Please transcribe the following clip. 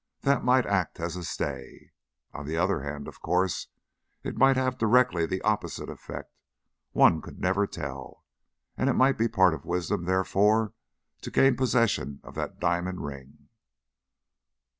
That might act as a stay. On the other hand, of course, it might have directly the opposite effect one could never tell and it might be the part of wisdom, therefore, to gain possession of that diamond ring.